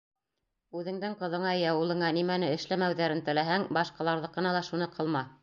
Үҙеңдең ҡыҙыңа йә улыңа нимәне эшләмәүҙәрен теләһәң, башҡаларҙыҡына ла шуны ҡылма.